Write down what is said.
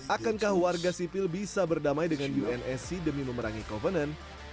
akankah warga sipil bisa berdamai dengan unsc demi memerangi covenant